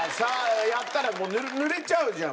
やったらぬれちゃうじゃん